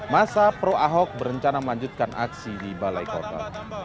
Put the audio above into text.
masa pro ahok berencana melanjutkan aksi di balai kota